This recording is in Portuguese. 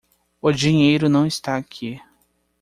O dinheiro não está aqui.